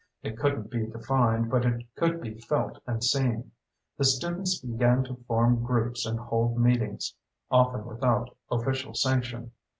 It couldn't be defined, but it could be felt and seen. The students began to form groups and hold meetings often without official sanction.